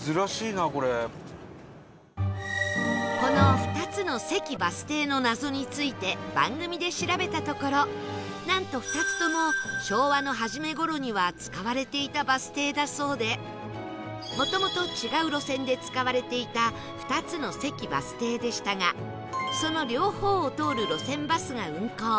この２つの関バス停の謎について番組で調べたところなんと２つとも昭和の初め頃には使われていたバス停だそうでもともと違う路線で使われていた２つの関バス停でしたがその両方を通る路線バスが運行